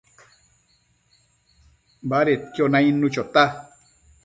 badedquio nainnu chota